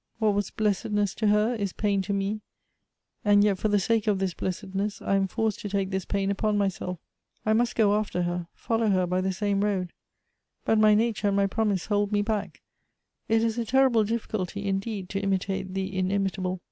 What was blessedness to her, is pain to me ; and yet for the sake of this blessedness I am forced to take this pain upon myself. I must go after 324 Goethe's her ; follow her by the same road. But my nature aud my promise' hold me back. It is a terrible difficulty, indeed, to imitate the inimitable.